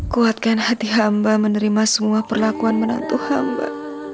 kuatkan hati hamba menerima semua perlakuan menantu hamba